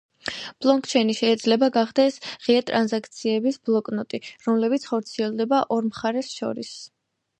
ბლოკჩეინი შეიძლება გახდეს „ღია, ტრანზაქციების ბლოკნოტი, რომლებიც ხორციელდება ორ მხარეს შორის“.